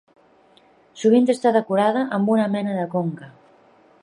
Sovint està decorada amb una mena de conca.